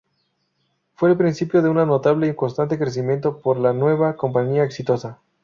Fue el principio de un notable y constante crecimiento para la nueva compañía exitosa.